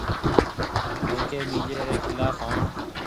هيَڪيَ ٻِيجي ريَ خلاف هوئڻ۔